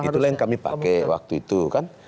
itulah yang kami pakai waktu itu kan